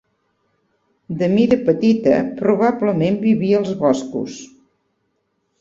De mida petita, probablement vivia als boscos.